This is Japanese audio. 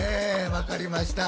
分かりました。